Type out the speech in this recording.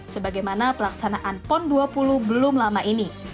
sebagaimana pelaksanaan pon dua puluh belum lama ini